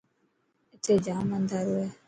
اٿي جام انڌارو هي.